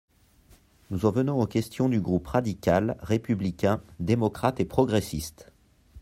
Nous en venons aux questions du groupe radical, républicain, démocrate et progressiste.